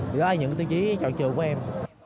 thì đó là những cái tiêu chí chọn trường của em